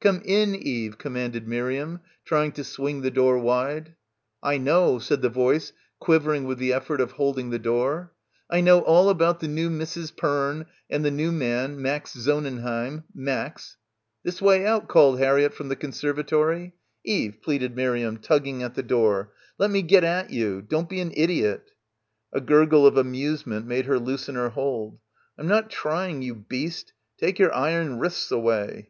"Come in, Eve," commanded Miriam, trying to swing the door wide. "I know," said the voice, quivering with the ef fort of holding the door. "I know all about the new Misses Perne and the new man — Max Son nenheim — Max." "This way out," called Harriett from the con servatory. — 34 — BACKWATER "Eve," pleaded Miriam, tugging at the door, "let me get at you. Don't be an idiot." A gurgle of amusement made her loosen her hold. "I'm not trying, you beast. Take your iron wrists away."